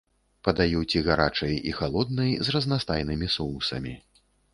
Падаюць і гарачай і халоднай, з разнастайнымі соусамі.